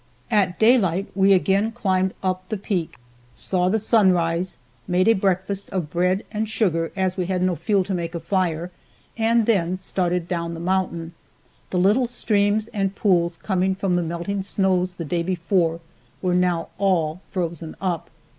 At daylight we again climbed up the peak, saw the sun rise, made a breakfast of bread and sugar as we had no fuel to make a fire, and then started down the mountain. The little streams and pools coming from the melting snows the day before were now all frozen up.